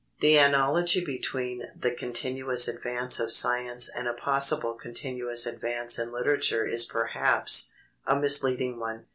The analogy between the continuous advance of science and a possible continuous advance in literature is perhaps, a misleading one.